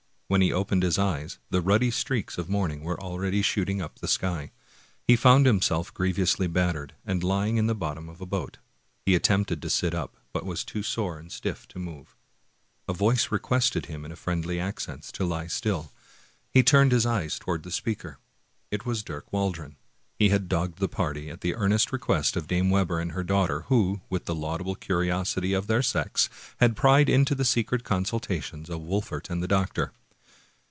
When he opened his eyes, the ruddy streaks of morning were already shooting up the sky. He found himself griev ously battered, and lying in the bottom of a boat. He attempted to sit up, but was too sore and stiff to move. A voice requested him in a friendly accents to lie still. He 215 American Mystery Stories turned his eyes toward the speaker; it was Dirk Waldron. He had dogged the party, at the earnest request of Dame Webber and her daughter, who, with the laudable curiosity of their sex, had pried into the secret consultations of Wol fert and the doctor.